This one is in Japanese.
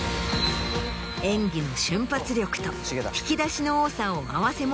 演技の瞬発力と引き出しの多さを併せ持つ彼女を